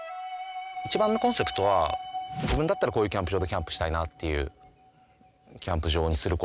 一番のコンセプトは自分だったらこういうキャンプ場でキャンプしたいなっていうキャンプ場にすることなんですね。